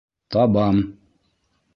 Табам!